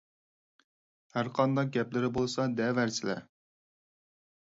ھەرقانداق گەپلىرى بولسا دەۋەرسىلە!